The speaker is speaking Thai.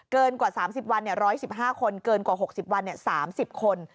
เกินกว่า๓๐วัน๑๑๕คนเกินกว่า๖๐วัน๓๐คน